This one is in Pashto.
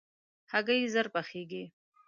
هګۍ ژر پخېږي.